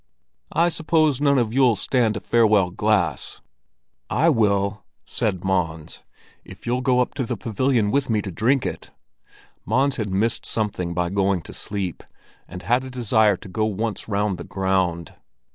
"I suppose none of you'll stand a farewell glass?" "I will!" said Mons, "if you'll go up to the pavilion with me to drink it." Mons had missed something by going to sleep and had a desire to go once round the ground.